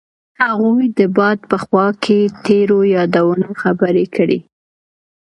هغوی د باد په خوا کې تیرو یادونو خبرې کړې.